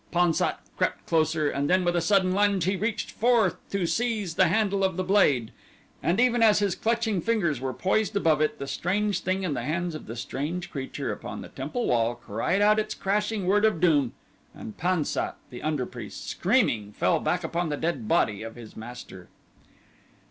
Pan sat crept closer and then with a sudden lunge he reached forth to seize the handle of the blade, and even as his clutching fingers were poised above it, the strange thing in the hands of the strange creature upon the temple wall cried out its crashing word of doom and Pan sat the under priest, screaming, fell back upon the dead body of his master.